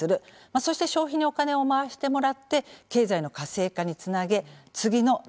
そして消費にお金を回してもらって経済の活性化につなげ次の賃上げにつなげていく。